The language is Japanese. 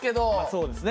そうですね。